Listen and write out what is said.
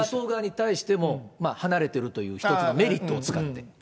ＮＡＴＯ側に対しても、離れているという一つのメリットも使って。